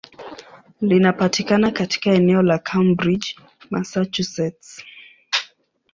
Linapatikana katika eneo la Cambridge, Massachusetts.